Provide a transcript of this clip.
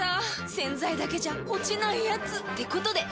⁉洗剤だけじゃ落ちないヤツってことで。